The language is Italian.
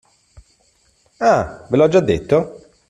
Ah, ve l'ho già detto?